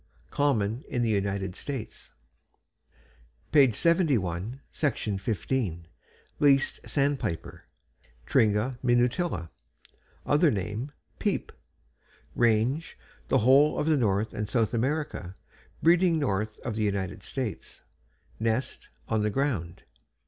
_ Common in the United States. Page 71. =LEAST SANDPIPER.= Tringa minutilla. Other name: "Peep." RANGE The whole of North and South America, breeding north of the United States. NEST On the ground.